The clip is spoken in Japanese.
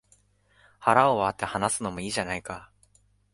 腹を割って話すのもいいじゃないか